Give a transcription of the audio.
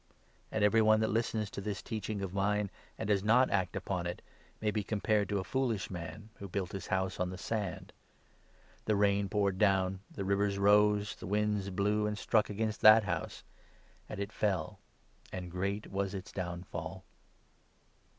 And every one that listens to this teaching of mine and does not act upon it may be compared to a foolish man, who built his house on the sand. The rain poured down, .the rivers rose, the winds blew and struck against that house, and it fell ; and great was its downfall."